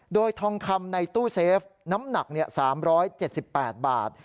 โดยทองคำในตู้เซฟน้ำหนัก๓๗๘บาท